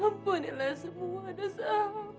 ampunilah semua dosa